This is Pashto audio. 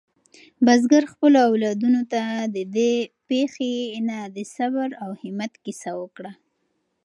بزګر خپلو اولادونو ته د دې پېښې نه د صبر او همت کیسه وکړه.